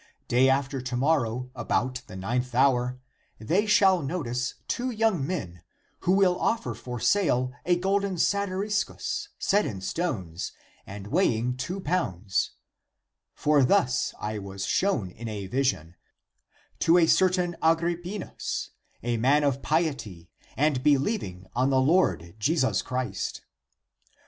Day after to morrow, about the ninth hour, they shall notice two young men who wall offer for sale a golden saty riscus set in stones and weighing two pounds — for thus I was shown in a vision — to a certain ACTS OF PETER 85 Agrippinus, a man of piety and believing on the Lord Jesus Christ.